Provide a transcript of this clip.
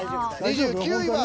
２９位は。